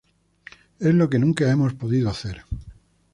Es lo que nunca hemos podido hacer.